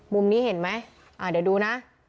มุมนี้เห็นไหมเดี๋ยวดูนะ